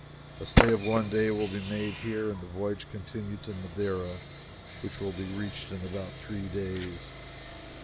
A stay of one day will be made here, and the voyage continued to Madeira, which will be reached in about three days.